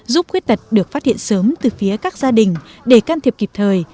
giúp khuyết tật được phát hiện sớm từ phía các gia đình để can thiệp kịp thời